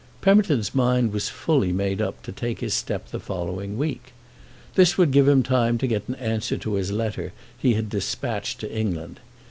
Pemberton's mind was fully made up to take his step the following week. This would give him time to get an answer to a letter he had despatched to England.